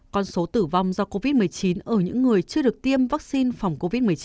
con số tử vong do covid một mươi chín ở những người chưa được tiêm vaccine phòng covid một mươi chín